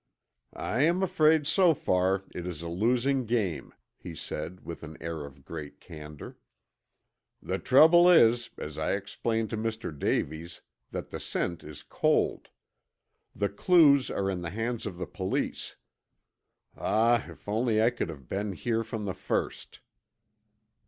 "I am afraid so far it is a losing game," he said with an air of great candor. "The trouble is, as I explained to Mr. Davies, that the scent is cold. The clues are in the hands of the police. Ah, if only I could have been here from the first!"